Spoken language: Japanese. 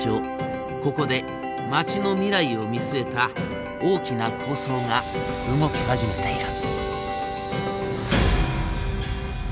ここで町の未来を見据えた大きな構想が動き始めている。